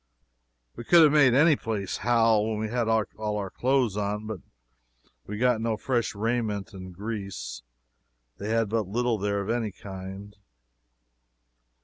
We could have made any place howl when we had all our clothes on. We got no fresh raiment in Greece they had but little there of any kind.